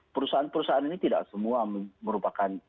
perusahaan perusahaan ini tidak semua merupakan